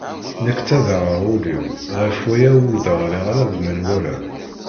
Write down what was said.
Nekk tabaɛeɣ ul-iw ɣef waya ur d-ɣliɣ ara d menwala.